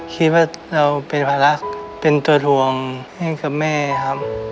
คิดว่าเราเป็นภาระเป็นตัวดวงให้กับแม่ครับ